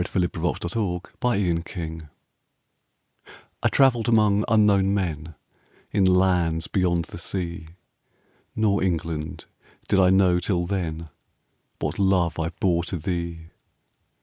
I TRAVELLED AMONG UNKNOWN MEN I travelled among unknown men, In lands beyond the sea; Nor, England! did I know till then What love I bore to thee.